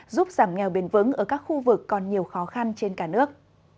giúp giảm nghèo bền vững ở các khu vực còn nhiều khó khăn trên cả nước